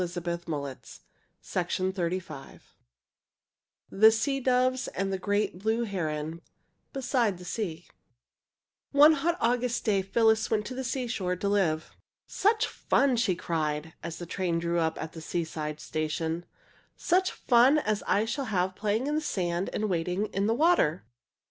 THE SEA DOVES AND THE GREAT BLUE HERON [Illustration: Great Blue Heron] BESIDE THE SEA One hot August day Phyllis went to the seashore to live. "Such fun," she cried, as the train drew up at the seaside station. "Such fun as I shall have playing in the sand and wading in the water."